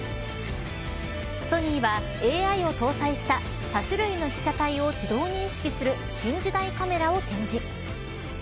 ＳＯＮＹはＡＩを搭載した多種類の被写体を自動認識する新時代カメラを展示。